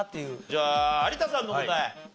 じゃあ有田さんの答え。